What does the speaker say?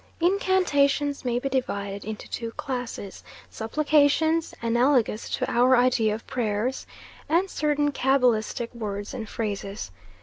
Incantations may be divided into two classes, supplications analogous to our idea of prayers, and certain cabalistic words and phrases.